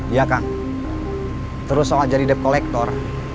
iya kang terus soal jadi debt collector